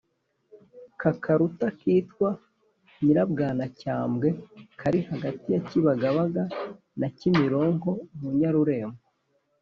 k’akarutu kitwa nyirabwanacyambwe, kari hagati ya kibagabaga na cyimironko, munyarurembo